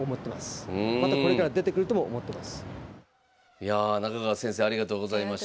いやあ中川先生ありがとうございました。